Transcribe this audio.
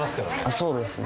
そうですね。